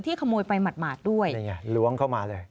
ที่ขโมยไปหมาดด้วยล้วงเข้ามาเลย